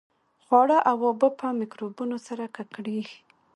خواړه او اوبه په میکروبونو سره ککړېږي.